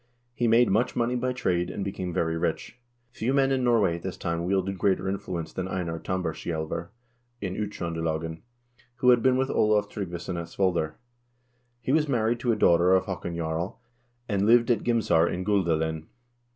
He made much money by trade, and became very rich. Few men in Norway at this time wielded greater influence than Einar Tambarskjaelver in Uttr0ndelagen, who had been with Olav Tryggvason at Svolder. He was married to a daughter of Haakon Jarl, and lived at Gimsar in Guldalen.